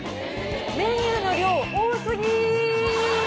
メニューの量多すぎ！